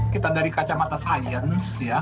kita dari kaca mata sains